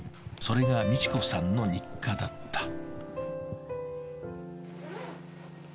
それが美智子さんの日課だった。